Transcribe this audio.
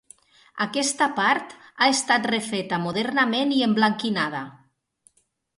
Aquesta part ha estat refeta modernament i emblanquinada.